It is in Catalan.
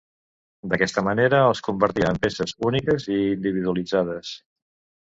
D'aquesta manera els convertia en peces úniques i individualitzades.